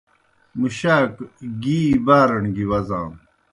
مُشاک گی بارَݨ گیْ وزانوْ۔